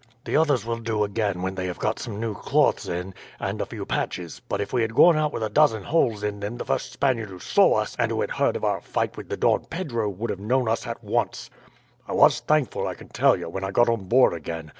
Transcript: The others will do again when they have got some new cloths in, and a few patches; but if we had gone out with a dozen holes in them the first Spaniard who saw us, and who had heard of our fight with the Don Pedro, would have known us at once. "I was thankful, I can tell you, when I got on board again.